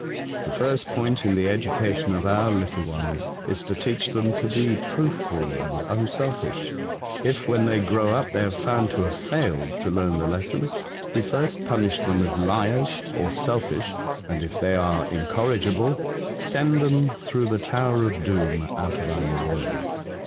The first point in the education of our little ones is to teach them to be truthful and unselfish. If, when they grow up, they are found to have failed to learn the lesson, we first punish them as liars or selfish, and if they are incorrigible, send them through The Voyage of Circumnavigation, 143 the Tower of Doom out of our world.